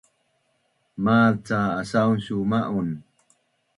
Mazca asaun su ma’un?